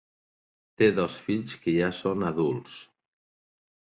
Té dos fills que ja són adults.